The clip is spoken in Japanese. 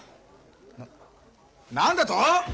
な何だと！？